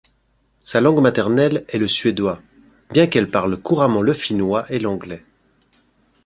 Sa langue maternelle est le suédois, bien qu'elle parle couramment le finnois et l'anglais.